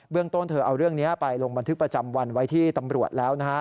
ต้นเธอเอาเรื่องนี้ไปลงบันทึกประจำวันไว้ที่ตำรวจแล้วนะฮะ